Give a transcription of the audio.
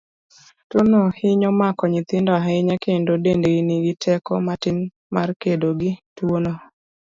Tuono hinyo mako nyithindo ahinya, kendo dendgi nigi teko matin mar kedo gi tuono.